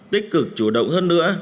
tích cực chủ động hơn nữa